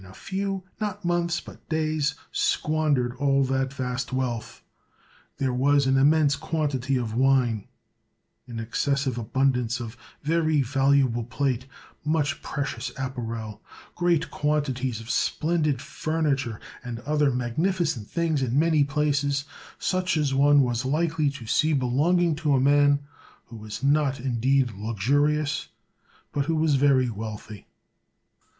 a few, not months, but days, squan dered all that vast wealth. There was an im mense quantity of wine, an excessive abundance of very valuable plate, much precious apparel, great quantities of splendid furniture, and other magnificent things in many places, such as one was likely to see belonging to a man who was not indeed luxurious, but who was very wealthy.